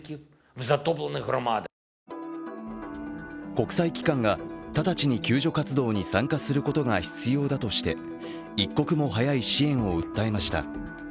国際機関が直ちに救助活動に参加することが必要だとして一刻も早い支援を訴えました。